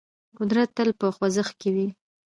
قدرت تل په خوځښت کې وي.